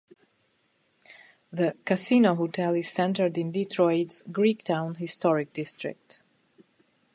The casino hotel is centered in Detroit's Greektown Historic District.